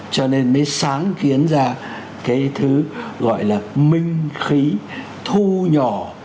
cho nên mới sáng kiến ra cái thứ gọi là minh khí thu nhỏ